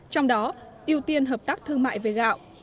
trong đó ưu tiên hợp tác thương mại về gạo